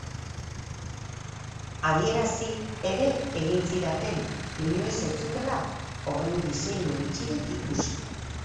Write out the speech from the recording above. Adierazi ere egin zidaten inoiz ez zutela horren diseinu bitxirik ikusi.